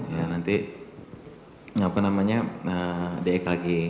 ya nanti apa namanya di ek lagi